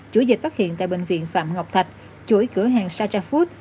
chuỗi dịch phát hiện tại bệnh viện phạm ngọc thạch chuỗi cửa hàng satchafood